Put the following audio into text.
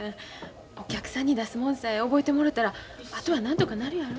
お客さんに出すもんさえ覚えてもろたらあとはなんとかなるやろ。